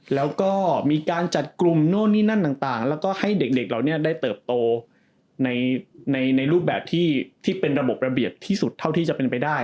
แล้วก็มีการจัดกลุ่มโน่นนี่นั่นต่างแล้วก็ให้เด็กเหล่านี้ได้เติบโตในรูปแบบที่เป็นระบบระเบียบที่สุดเท่าที่จะเป็นไปได้